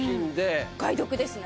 お買い得ですね。